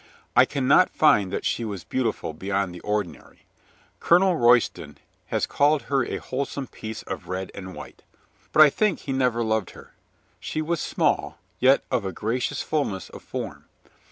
I can not find that she was beautiful beyond the ordinary. Colonel Royston has called her a wholesome piece of red and white. But I think he never loved her. She was small, yet of a gracious fullness of form.